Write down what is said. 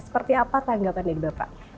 seperti apa tanggapan dari bapak